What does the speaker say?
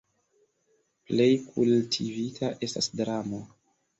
Plej kultivita estas dramo.